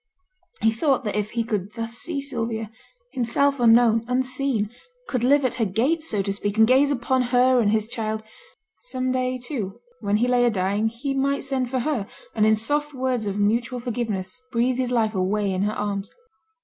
He thought that if he could thus see Sylvia, himself unknown, unseen could live at her gates, so to speak, and gaze upon her and his child some day too, when he lay a dying, he might send for her, and in soft words of mutual forgiveness breathe his life away in her arms.